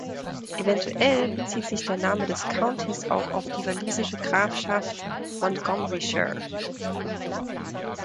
Eventuell bezieht sich der Name des Countys auch auf die walisische Grafschaft Montgomeryshire.